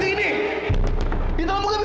dia mau pergi kamu